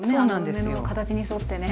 梅の形に沿ってね。